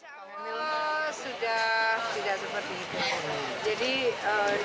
insya allah sudah tidak seperti itu